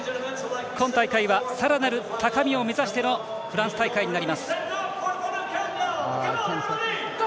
今大会はさらなる高みを目指してのフランス大会になります。